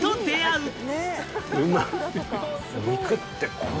うまい！